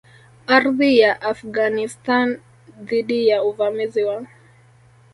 Ardhi ya Afghanistan dhidi ya uvamizi wa